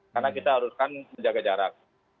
karena kita harus kan menjaga jarak